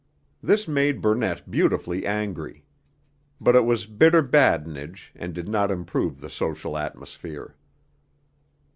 This made Burnett beautifully angry. But it was bitter badinage, and did not improve the social atmosphere.